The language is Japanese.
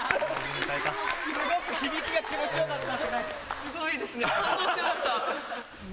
すごく響きが気持ち良かった。